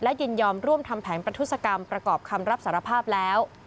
ยินยอมร่วมทำแผนประทุศกรรมประกอบคำรับสารภาพแล้ว